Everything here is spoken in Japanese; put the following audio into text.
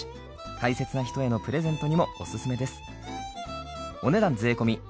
大切な人へのプレゼントにもオススメです。